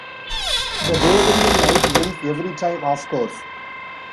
The Bavarian knight wins every time, of course.